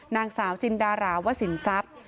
นางสาวจินดาราวสินทรัพย์